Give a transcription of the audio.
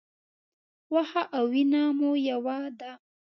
غوښه او وینه مو یوه ده.